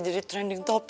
jadi papa selalu lambat